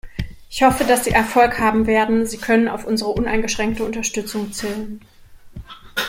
Ich hoffe, dass Sie Erfolg haben werden, Sie können auf unsere uneingeschränkte Unterstützung zählen.